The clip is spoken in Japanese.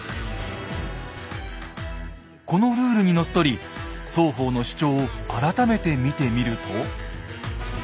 このルールにのっとり双方の主張を改めて見てみると。